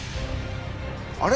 あれ？